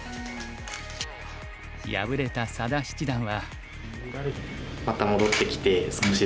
敗れた佐田七段は。